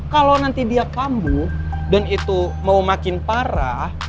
kalau nanti dia kambuh dan itu mau makin parah